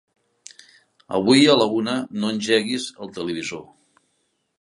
Avui a la una no engeguis el televisor.